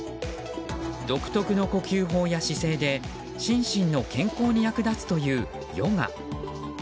独特の呼吸法や姿勢で心身の健康に役立つというヨガ。